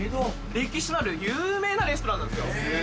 歴史のある有名なレストランなんですよ